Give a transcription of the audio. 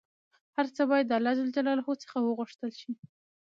هر څه باید د الله ﷻ څخه وغوښتل شي